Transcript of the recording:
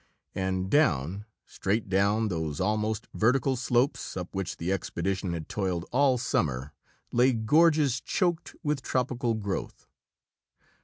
And down, straight down those almost vertical slopes up which the expedition had toiled all summer, lay gorges choked with tropical growth.